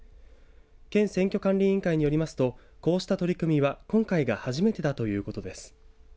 県選挙管理委員会によりますとこうした取り組みは、今回が初めてだということです。